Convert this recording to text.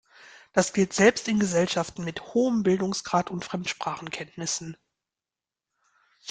Das gilt selbst in Gesellschaften mit hohem Bildungsgrad und Fremdsprachenkenntnissen.